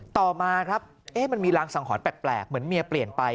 ต่อมาครับมันมีรางสังหรณ์แปลกเหมือนเมียเปลี่ยนไป